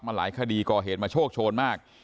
หลายคดีก่อเหตุมาโชคโชนมาก